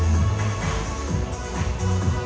ขอบคุณครับ